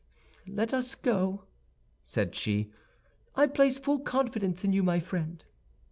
"Let us go," said she, "I place full confidence in you, my friend!"